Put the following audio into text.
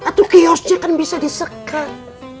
ah tuh kiosnya kan bisa disekat